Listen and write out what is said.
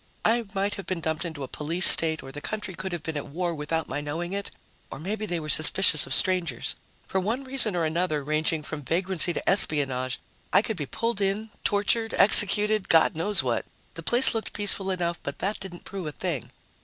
I might have been dumped into a police state or the country could have been at war without my knowing it, or maybe they were suspicious of strangers. For one reason or another, ranging from vagrancy to espionage, I could be pulled in, tortured, executed, God knows what. The place looked peaceful enough, but that didn't prove a thing.